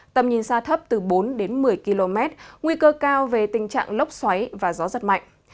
tầm nhìn xa thấp từ bốn đến một mươi km nguy cơ cao về tình trạng lốc xoáy và gió giật mạnh